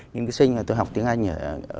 nghiên cứu sinh và tôi học tiếng anh ở